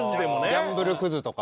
ギャンブルクズとか。